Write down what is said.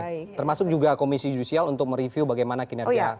oke termasuk juga komisi judisial untuk mereview bagaimana kinerja hakim di ngalilan